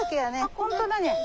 本当だね。